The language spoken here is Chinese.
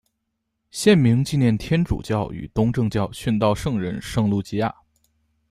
县名纪念天主教与东正教殉道圣人圣路济亚。